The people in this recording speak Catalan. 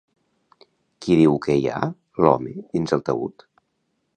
Qui diu que hi ha, l'home, dins el taüt?